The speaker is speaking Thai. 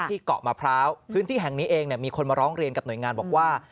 เกาะมะพร้าวพื้นที่แห่งนี้เองมีคนมาร้องเรียนกับหน่วยงานบอกว่า